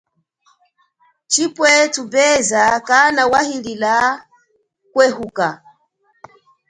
Chibwe thubeza kana wahilila kwehuka.